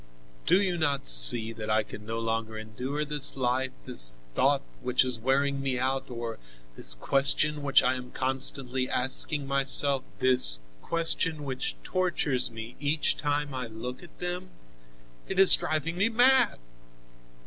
"Do you not see that I can no longer endure this life, this thought which is wearing me out, or this question which I am constantly asking myself, this question which tortures me each time I look at them? It is driving me mad."